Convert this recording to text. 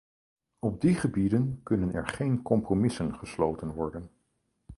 Op die gebieden kunnen er geen compromissen gesloten worden.